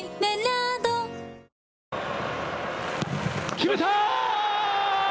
決めた！